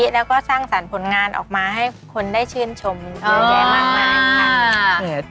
แล้วก็สร้างสรรค์ผลงานออกมาให้คนได้ชื่นชมเยอะแยะมากมายค่ะ